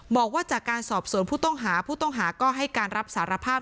บอกว่าจากการสอบสวนผู้ต้องหาผู้ต้องหาก็ให้การรับสารภาพ